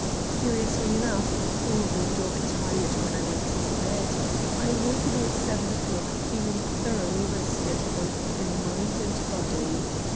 Curiously enough, although dog tired when I went to bed, I woke about seven o'clock feeling thoroughly rested both in mind and body.